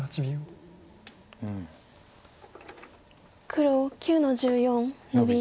黒９の十四ノビ。